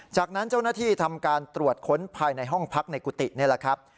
จากนั้นเจ้าหน้าที่ทำการตรวจค้นภายในห้องพักในกุฏินี่แหละครับ